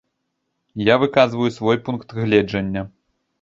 Я выказваю свой пункт гледжання.